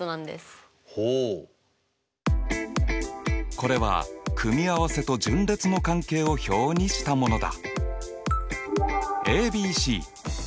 これは組合せと順列の関係を表にしたものだ。